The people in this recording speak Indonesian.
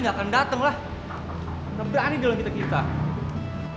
harusnya lo tuh berterima kasih